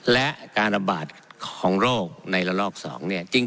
และการระบาดของโรคในระลอก๒เนี่ย